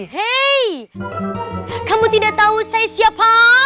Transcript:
hei kamu tidak tahu saya siapa